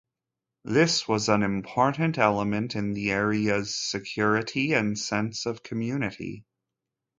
This was an important element in the area's security and sense of community.